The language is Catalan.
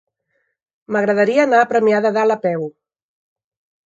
M'agradaria anar a Premià de Dalt a peu.